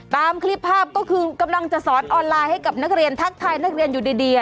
ตามคลิปภาพก็คือกำลังจะสอนออนไลน์ให้กับนักเรียนทักทายนักเรียนอยู่ดี